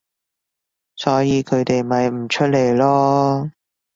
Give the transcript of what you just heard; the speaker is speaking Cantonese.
所以佢哋咪唔出嚟囉